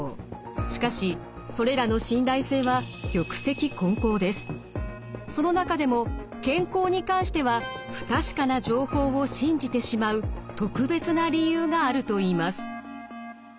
しかしそれらの信頼性はその中でも健康に関しては不確かな情報を信じてしまう特別な理由があるといいます。